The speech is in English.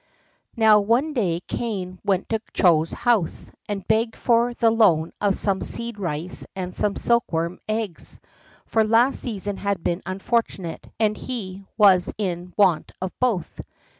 Now, one day Kané went to Chô's house, and begged for the loan of some seed rice and some silkworms' eggs, for last season had been unfortunate, and he was in want of both.